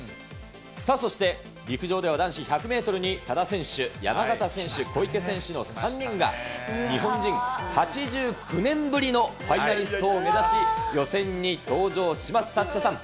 そして、陸上では男子１００メートルに多田選手、山縣選手、小池選手の３人が、日本人８９年ぶりのファイナリストを目指し、予選に登場します。